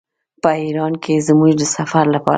په ایران کې زموږ د سفر لپاره.